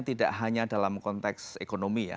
tidak hanya dalam konteks ekonomi ya